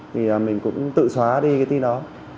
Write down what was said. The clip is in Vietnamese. thì mình cũng tự xóa đi cái tin đó